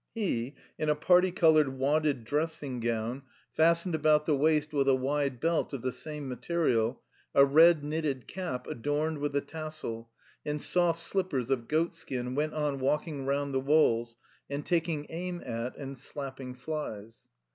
He, in a parti coloured wadded dressing gown fastened about the waist with a wide belt of the same material, a red knitted cap adorned with a tassel, and soft slippers of goat skin, went on walking round the walls and taking aim at, and slapping, flies.